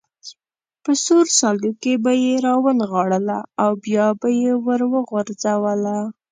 په سور سالو کې به یې را ونغاړله او بیا به یې وروغورځوله.